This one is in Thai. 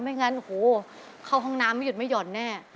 ไม่งั้นเขาห้องน้ำมันหยุดไม่หย่อนแน่